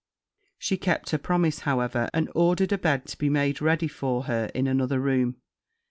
She kept her promise, however, and ordered a bed to be made ready for her in another room.